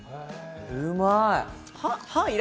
うまい。